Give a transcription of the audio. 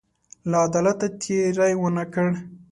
له عدالته تېری ونه کړ.